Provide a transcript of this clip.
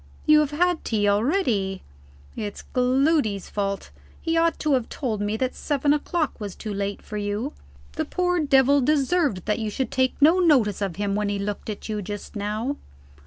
You have had tea already? It's Gloody's fault; he ought to have told me that seven o'clock was too late for you. The poor devil deserved that you should take no notice of him when he looked at you just now.